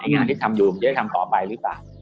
งานที่ทำอยู่มันจะทำต่อไปหรือเปล่า